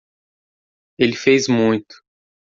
Ele fez muito.